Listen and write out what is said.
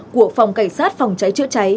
của phòng cảnh sát phòng cháy chữa cháy